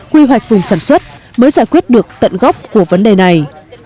quy hoạch vùng sản xuất mới giải quyết được tận gốc của vấn đề này